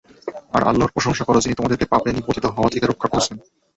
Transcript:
আর আল্লাহর প্রশংসা কর, যিনি তোমাদেরকে পাপে নিপতিত হওয়া থেকে রক্ষা করেছেন।